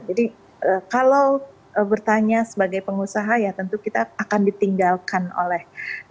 jadi kalau bertanya sebagai pengusaha ya tentu kita akan ditinggalkan oleh